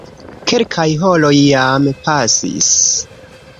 Kelkaj horoj jam pasis.